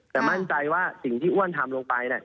แต่มั่นใจว่าสิ่งที่อ้วนทำลงไป